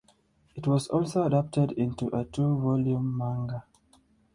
It was also adapted into a two-volume manga.